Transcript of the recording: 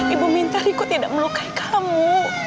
ibu minta liku tidak melukai kamu